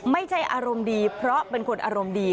อารมณ์ดีเพราะเป็นคนอารมณ์ดี